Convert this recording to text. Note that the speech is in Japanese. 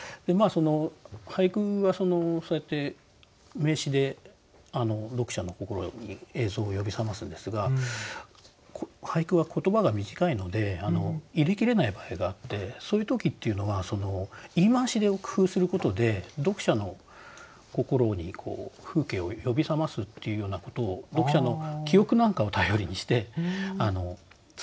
俳句はそうやって名詞で読者の心に映像を呼び覚ますんですが俳句は言葉が短いので入れきれない場合があってそういう時っていうのは言い回しで工夫することで読者の心に風景を呼び覚ますっていうようなことを読者の記憶なんかを頼りにして作るってことがあるんですよね。